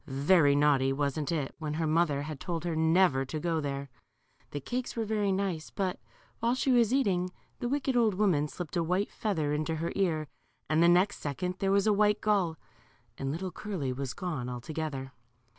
Very naughty, wasn't it, when her mother had told her never to go there. The cakes were very nice, but while she was eating, the wicked old woman slipped a white feather into her ear, and the next second there was a white gull, and little Curly was gone altogether.